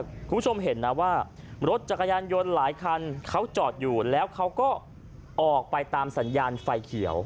คุณผู้ชมเห็นนะว่ารถจักรยานยนต์หลายคันเขาจอดอยู่แล้วเขาก็ออกไปตามสัญญาณไฟเขียว